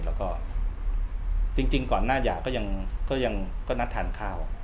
แล้วก็จริงก่อนหน้าหย่าก็ยังก็นัดทานข้าว